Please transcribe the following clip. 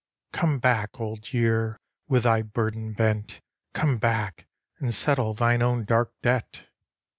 " Come back, Old Year, with thy burden bent. Come back and settle thine own dark debt."